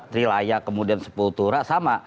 trilaya kemudian sepuluh tura sama